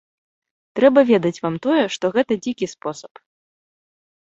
Трэба ведаць вам тое, што гэта дзікі спосаб.